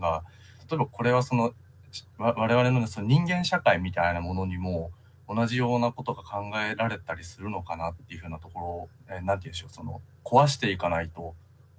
例えばこれはその我々の人間社会みたいなものにも同じようなことが考えられたりするのかなっていうふうなところ壊していかないといずれ